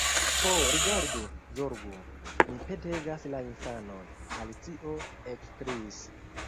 "Ho, rigardu, zorgu,—mi petegas—la infanon!" Alicio ekkriis.